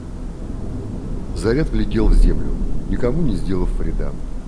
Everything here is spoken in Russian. Заряд влетел в землю, никому не сделав вреда.